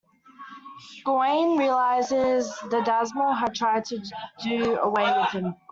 Gawain realises the damsel had tried to do away with him.